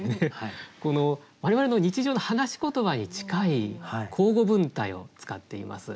我々の日常の話し言葉に近い口語文体を使っています。